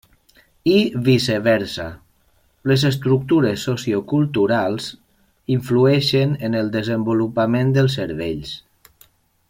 I viceversa: les estructures socioculturals influeixen en el desenvolupament dels cervells.